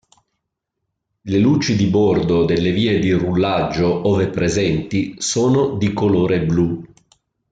Le luci di bordo delle vie di rullaggio, ove presenti, sono di colore blu.